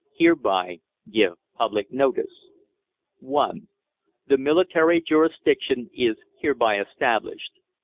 HEREBY GIVE PUBLIC NOTICE: (1) THE MILITARY JURISDICTION is hereby established.